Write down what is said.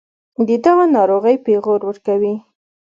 دَدغه ناروغۍپېغور ورکوي